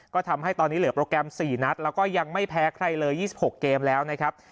ก็ทำให้ตอนนี้เหลือโปรแกรม๔นัดแล้วก็ยังไม่แพ้ใครเลย๒๖เกมแล้วนะครับ